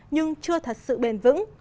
nhưng chưa thật sự bền vững